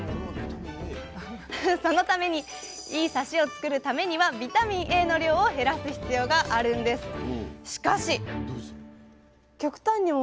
そのためにいいサシを作るためにはビタミンＡの量を減らす必要があるんです。